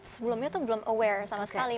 sebelumnya itu belum aware sama sekali